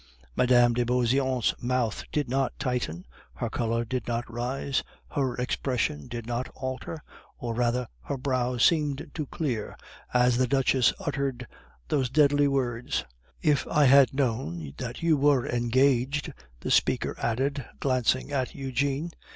Mme. de Beauseant's mouth did not tighten, her color did not rise, her expression did not alter, or rather, her brow seemed to clear as the Duchess uttered those deadly words. "If I had known that you were engaged " the speaker added, glancing at Eugene.